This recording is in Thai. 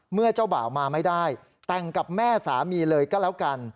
เมื่อเจ้าบ่าวมาไม่ได้แต่งกับแม่สามีเลยก็แล้วกัน